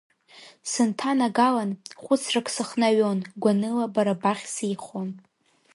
Сынҭанагалан, хәыцрак сыхнаҩон, гәаныла бара бахь сеихон.